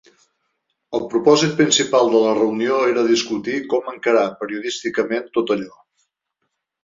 El propòsit principal de la reunió era discutir com encarar periodísticament tot allò.